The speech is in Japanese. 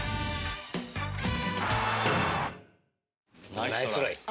ナイストライ